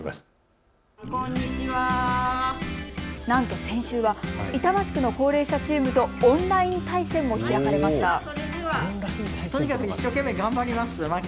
なんと先週は板橋区の高齢者チームとオンライン対戦も開かれました。